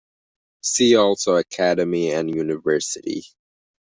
See also academy and university.